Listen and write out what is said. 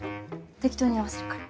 適当に合わせるから。